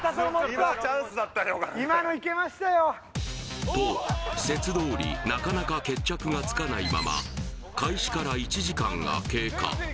今チャンスだった岡野と説どおりなかなか決着がつかないまま開始から１時間が経過